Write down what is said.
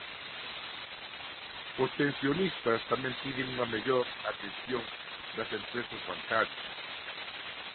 Os pensionistas tamén piden unha mellor atención das empresas bancarias.